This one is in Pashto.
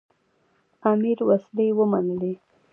امیر وسلې ومنلې.